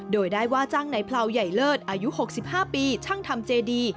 โดยได้ว่าจังไหนเผลาใหญ่เลิศอายุ๖๕ปีช่างธรรมเจดี